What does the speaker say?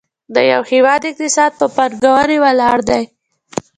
د یو هېواد اقتصاد په پانګونې ولاړ دی.